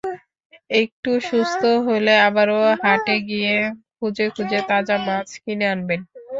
একটু সুস্থ হলে আবারও হাটে গিয়ে খুঁজে খুঁজে তাজা মাছ কিনে আনবেন।